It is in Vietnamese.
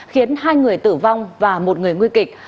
khiến hai người tử vong và một người nguy kịch